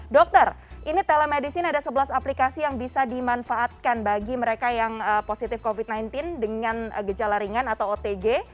dokter ini telemedicine ada sebelas aplikasi yang bisa dimanfaatkan bagi mereka yang positif covid sembilan belas dengan gejala ringan atau otg